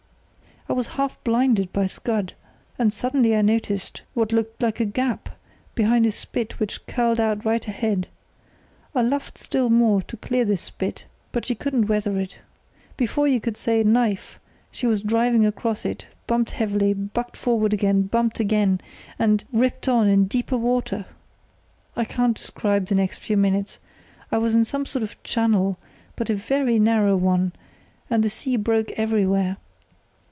"I was half blinded by scud, but suddenly I noticed what looked like a gap, behind a spit which curled out right ahead. I luffed still more to clear this spit, but she couldn't weather it. Before you could say knife she was driving across it, bumped heavily, bucked forward again, bumped again, and—ripped on in deeper water! I can't describe the next few minutes. I was in some sort of channel, but a very narrow one, and the sea broke everywhere.